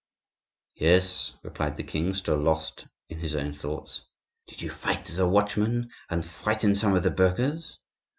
"Yes," replied the king, still lost in his own thoughts. "Did you fight the watchman and frighten some of the burghers?